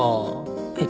えっ？